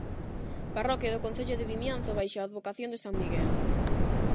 Parroquia do concello de Vimianzo baixo a advocación de san Miguel.